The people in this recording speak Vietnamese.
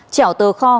chẻo tờ kho